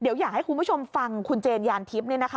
เดี๋ยวอยากให้คุณผู้ชมฟังคุณเจนยานทิพย์